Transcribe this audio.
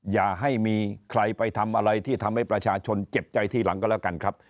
อย่าให้มีใครไปทำอะไรที่ทำให้ประชาชนเจ็บใจทีหลังก็แล้วกันครับ